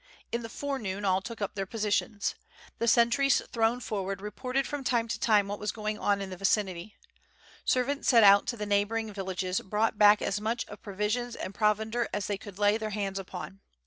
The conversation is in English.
In the forenoon all took up their positions. The sentries thrown forward reported from time to time what was going on in the vicinity. Servants sent out to the neighboring villages brought back as much of provisions and provender as they could lay their hands upon.